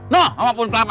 no sama pun kelapa